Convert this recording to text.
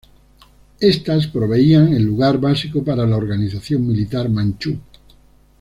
Estas proveían el lugar básico para la organización militar manchú.